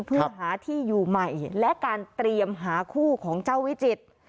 เพื่อหาที่อยู่ใหม่และการเตรียมหาคู่ของเจ้าวิจิตร